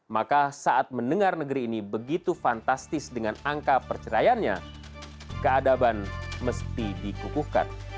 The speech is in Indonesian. maka saat mendengar negeri ini begitu fantastis dengan angka perceraiannya keadaban mesti dikukuhkan